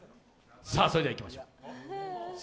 それではいきましょう。